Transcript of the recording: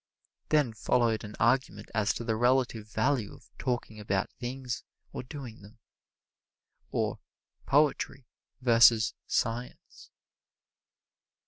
Then followed an argument as to the relative value of talking about things or doing them, or Poetry versus Science.